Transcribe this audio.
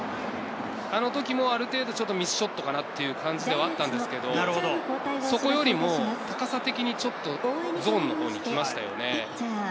あの時もある程度ミスショットかな？という感じではあったんですけど、そこよりも高さ的にちょっとゾーンのほうに来ましたよね。